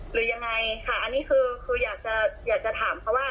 หรือยังไงค่ะอันนี้คืออยากจะอยากจะถามเขาว่า